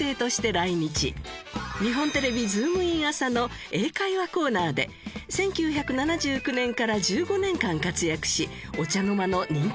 日本テレビ『ズームイン！！朝！』の英会話コーナーで１９７９年から１５年間活躍しお茶の間の人気者に。